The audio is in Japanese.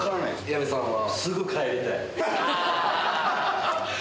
矢部さんは？